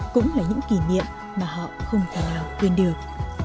cũng là những kỷ niệm mà họ không thể nào quên được